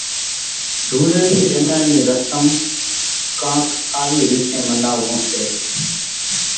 ڌوڙِيلي رميا نِي رسم ڪانڪ آوي ريچين مناوون سي۔